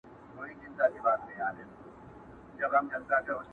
انصاف نه دی شمه وایې چي لقب د قاتِل راکړﺉ،